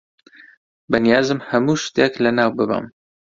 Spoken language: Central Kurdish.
بەنیازم هەموو شتێک لەناو ببەم.